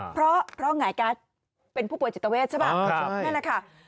เพราะหงายการ์ดเป็นผู้ป่วยจิตเวทใช่ป่ะนั่นแหละค่ะ